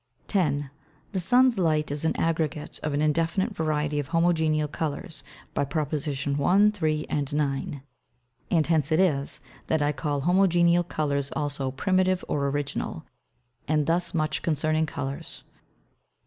10. The Sun's Light is an Aggregate of an indefinite variety of Homogeneal Colours, by Prop. 1, 3, and 9. And hence it is, that I call Homogeneal Colours also Primitive or Original. And thus much concerning Colours.